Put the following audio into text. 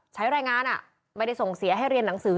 ใช้รายงานไม่ได้ส่งเสียให้เรียนหนังสือ